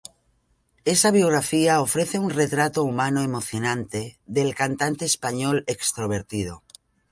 Esa biografía ofrece un retrato humano emocionante de el cantante español extrovertido.